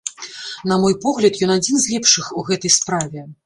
На мой погляд, ён адзін з лепшых у гэтай справе.